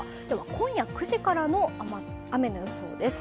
今夜９時からの雨の予想です。